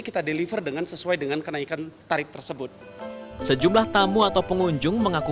kita deliver dengan sesuai dengan kenaikan tarif tersebut sejumlah tamu atau pengunjung mengaku